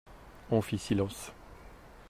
On fit silence.